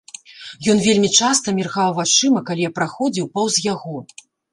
Ён вельмі часта міргаў вачыма, калі я праходзіў паўз яго.